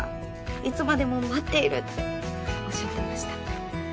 いつまでも待っているっておっしゃってました。